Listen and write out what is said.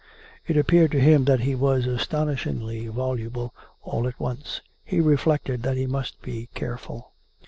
(It appeared to him that he was astonishingly voluble, all at once. He reflected that he must be careful.)